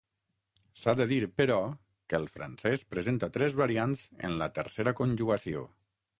S'ha de dir, però, que el francès presenta tres variants en la tercera conjugació.